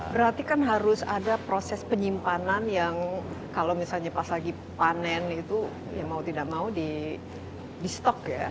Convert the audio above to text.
berarti kan harus ada proses penyimpanan yang kalau misalnya pas lagi panen itu ya mau tidak mau di stok ya